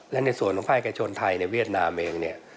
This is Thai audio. และในส่วนภาคกระชนไทยในเวียดนามเอง